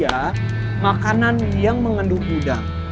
kasih dia makanan yang mengendung udang